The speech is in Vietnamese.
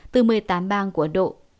từ một mươi tám bang của ấn độ